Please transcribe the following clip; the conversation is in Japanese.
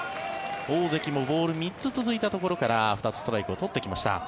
大関もボール３つ続いてたところから２つ、ストライクを取ってきました。